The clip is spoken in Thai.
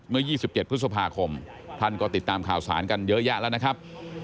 เมื่อ๒๗พฤษภาคมท่านก็ติดตามข่าวสารกันเยอะแยะแล้วนะครับ